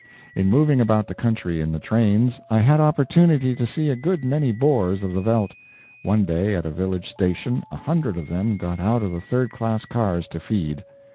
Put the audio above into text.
In moving about the country in the trains, I had opportunity to see a good many Boers of the veldt. One day at a village station a hundred of them got out of the third class cars to feed.